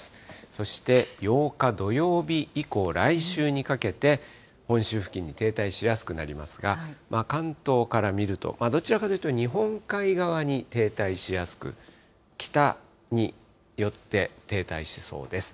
そして８日土曜日以降、来週にかけて、本州付近に停滞しやすくなりますが、関東から見ると、どちらかというと日本海側に停滞しやすく、北に寄って停滞しそうです。